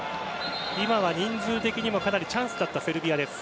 今は人数的にもチャンスだったセルビアです。